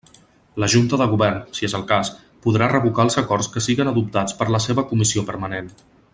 La junta de govern, si és el cas, podrà revocar els acords que siguen adoptats per la seua comissió permanent.